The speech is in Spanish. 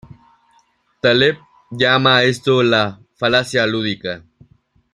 Taleb llama a esto la "falacia lúdica".